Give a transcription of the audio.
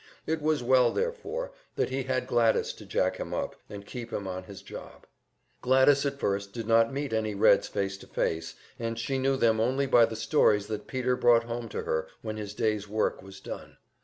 It was well, therefore, that he had Gladys to jack him up, and keep him on his job. Gladys at first did not meet any Reds face to face, she knew them only by the stories that Peter brought home to her when his day's work was done.